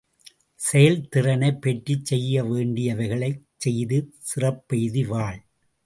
செயல்திறனைப் பெற்றுச் செய்யவேண்டியவைகளைச் செய்து சிறப்பெய்தி வாழ்.